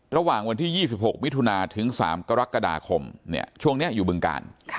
ระหว่างวันที่๒๖มิถุนาถึง๓กรกฎาคมช่วงนี้อยู่บึงกาล